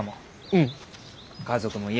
うん。